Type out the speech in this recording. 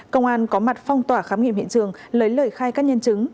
công an có mặt phong tỏa khám nghiệm hiện trường lấy lời khai các nhân chứng